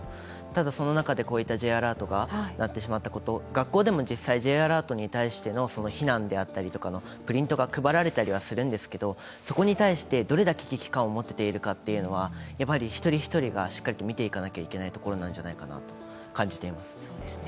ただその中でこういったＪアラートが鳴ってしまったこと鳴ってしまったこと、学校でもＪアラートに対しての避難であったりとかのプリントが配られたりはするんですけれども、そこに対してどれだけ危機感を持っているかというのは一人一人がしっかりと見ていかないといけないところだと感じています。